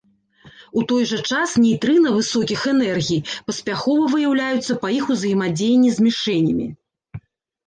У той жа час нейтрына высокіх энергій паспяхова выяўляюцца па іх узаемадзеянні з мішэнямі.